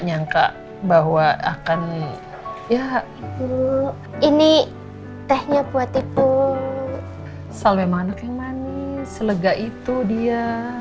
nyangka bahwa akan ya ini tehnya buat itu sawi anak yang manis selega itu dia